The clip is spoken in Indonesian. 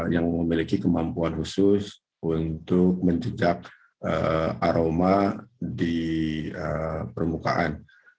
yang memiliki kemampuan khusus untuk menjejak aroma di permukaan